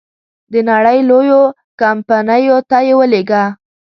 د نړی لویو کمپنیو ته یې ولېږه.